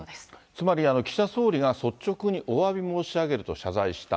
つまり岸田総理が、率直におわび申し上げると謝罪した。